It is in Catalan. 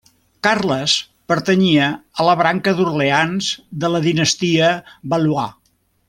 Carles pertanyia a la branca d'Orleans de la dinastia Valois.